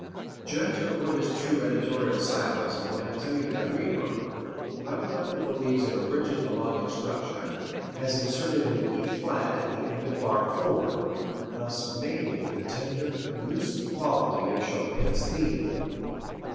Judge of what is true editorial sciolism when I tell you that Riemann who evidently believes in a rigid melodic structure has inserted an E flat at the end of bar four, thus maiming the tender, elusive quality of Chopin's theme.